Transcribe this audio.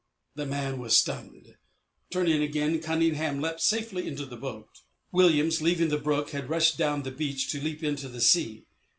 The man was stunned. Turning again, Cunningham leapt safely into the boat. Williams, leaving the brook, had rushed down the beach to leap into the sea.